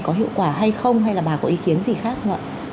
có hiệu quả hay không hay là bà có ý kiến gì khác không ạ